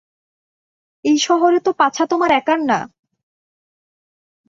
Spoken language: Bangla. এই শহরে তো পাছা তোমার একার না।